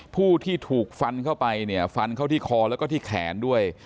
ผู้ที่ถูกฟันเข้าไปเนี่ยฟันเข้าที่คอแล้วก็ที่แขนด้วย